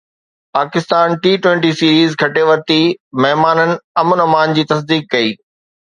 Pakistan T twenty series کٽي ورتي، مهمانن امن امان جي تصديق ڪئي